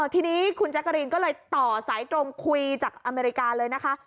ทีนี้คุณแจ๊กกะรีนก็เลยต่อสายตรงคุยจากอเมริกาเลยนะคะ